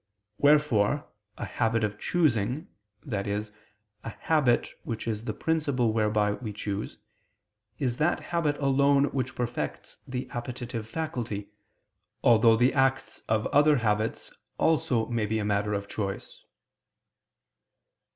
Wherefore a habit of choosing, i.e. a habit which is the principle whereby we choose, is that habit alone which perfects the appetitive faculty: although the acts of other habits also may be a matter of choice.